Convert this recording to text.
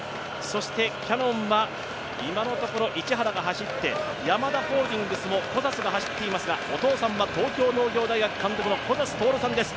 キヤノンは今のところ市原が走ってヤマダホールディングスも小指が走っていますがお父さんは東京農業大学監督の小指さんです。